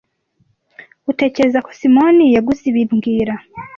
Utekereza ko Simoni yaguze ibi mbwira